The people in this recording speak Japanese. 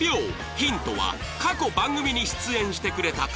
ヒントは過去番組に出演してくれた方